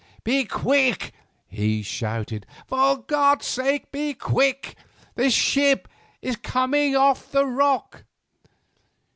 "Be quick!" he shouted; "for God's sake, be quick! The ship is coming off the rock."